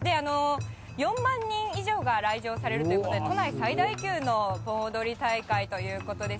４万人以上が来場されるということで、都内最大級の盆踊り大会ということです。